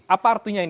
apa artinya ini